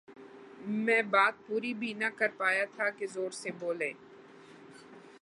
میں بات پوری بھی نہ کرپا یا تھا کہ زور سے بولے